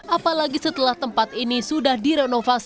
apalagi setelah tempat ini sudah direnovasi